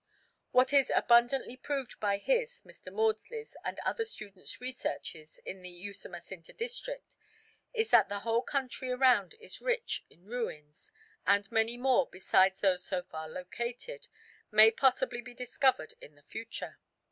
What is abundantly proved by his, Mr. Maudslay's, and other students' researches in the Usumacinta district is that the whole country around is rich in ruins, and many more, besides those so far located, may possibly be discovered in the future.